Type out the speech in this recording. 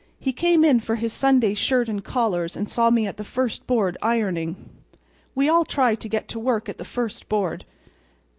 "He came in for his Sunday shirt and collars and saw me at the first board, ironing. We all try to get to work at the first board.